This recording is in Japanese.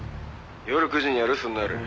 「夜９時には留守になる」